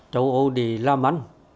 châu âu thì lao mắn